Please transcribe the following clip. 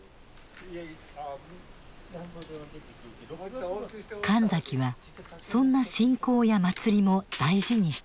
神崎はそんな信仰や祭りも大事にしてきた。